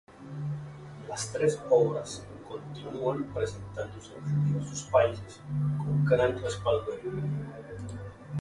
Las tres obras continúan presentándose en diversos países, con gran respaldo del público.